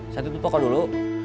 saya tutup toko dulu